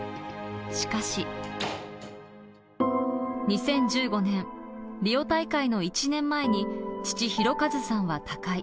しかし、２０１５年、リオ大会の１年前に父・博和さんは他界。